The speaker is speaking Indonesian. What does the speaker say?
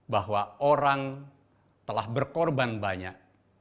bahwa orang telah berkorban banyak